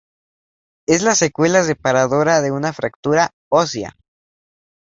Es la secuela reparadora de una fractura ósea.